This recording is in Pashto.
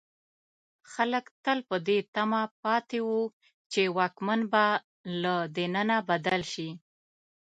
خلک تل په دې تمه پاتې وو چې واکمن به له دننه بدل شي.